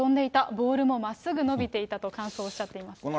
ボールもまっすぐ伸びていたと感想をおっしゃっています。